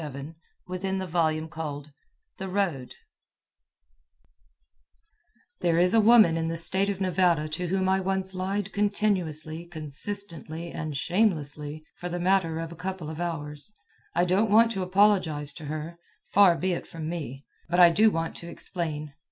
Sestina of the Tramp Royal CONFESSION There is a woman in the state of Nevada to whom I once lied continuously, consistently, and shamelessly, for the matter of a couple of hours. I don't want to apologize to her. Far be it from me. But I do want to explain.